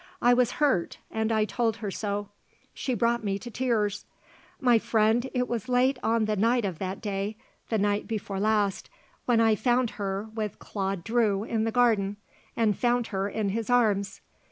I was hurt and I told her so. She brought me to tears. My friend, it was late on the night of that day the night before last that I found her with Claude Drew in the garden; and found her in his arms.